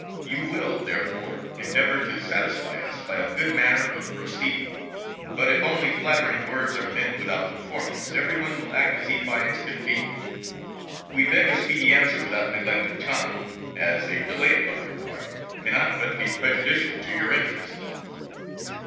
You will, therefore, endeavour to satisfy us by a good manner of proceeding.... But if only flattering words are meant without performance, every one will act as he finds convenient. We beg a speedy answer without neglect of time, as a delay upon your part cannot but be prejudicial to your interests."